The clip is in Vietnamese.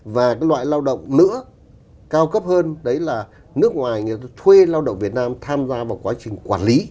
và cái loại lao động nữa cao cấp hơn đấy là nước ngoài người ta thuê lao động việt nam tham gia vào quá trình quản lý